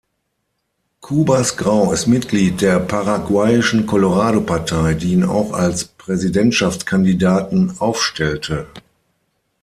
Cubas Grau ist Mitglied der paraguayischen Colorado-Partei, die ihn auch als Präsidentschaftskandidaten aufstellte.